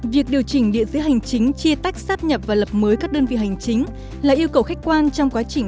việc điều chỉnh địa giới hành chính chia tách sắp nhập và lập mới các đơn vị hành chính là yêu cầu khách quan trong quá trình